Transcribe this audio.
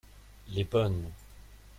Les bonnes.